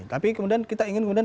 tapi kemudian kita ingin kemudian